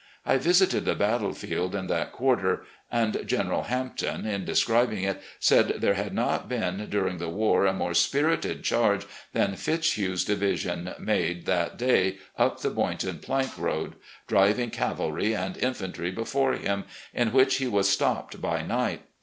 I visited the battlefield in that quarter, and General Hampton in describing it said there had not been during the war a more spirited charge than Fitzhugh's division made that day up the Boydton plank road, driving cavalry and infantry before him, in which he was stopped by night.